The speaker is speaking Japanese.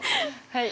はい。